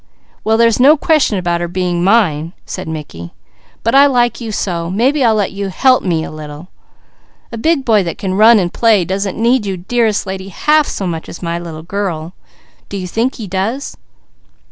"Well, there's no question about her being mine!" said Mickey. "But I like you so, maybe I'll let you help me a little. A big boy that can run and play doesn't need you, dearest lady, half so much as my little girl. Do you think he does?"